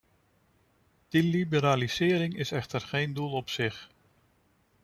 Die liberalisering is echter geen doel op zich.